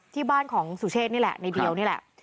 ที่บ้านของสุเชษนี่แหละในเดียวนี่แหละ